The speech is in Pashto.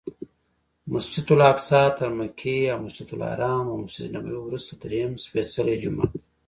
مسجدالاقصی تر مکې او مسجدالحرام او مسجدنبوي وروسته درېیم سپېڅلی جومات دی.